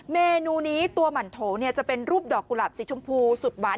เมนูนี้ตัวหมั่นโถจะเป็นรูปดอกกุหลาบสีชมพูสุดหวาน